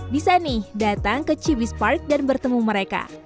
bisa nih datang ke chibispark dan bertemu mereka